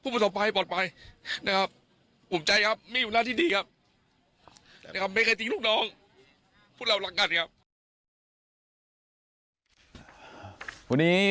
วันนี้